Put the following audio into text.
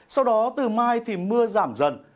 sau đó từ mai thì mưa giảm dần